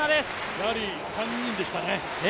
やはり３人でしたね。